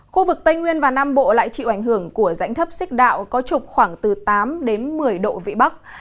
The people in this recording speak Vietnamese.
khu vực tây nguyên và nam bộ lại chịu ảnh hưởng của rãnh thấp xích đạo có trục khoảng từ tám đến một mươi độ vị bắc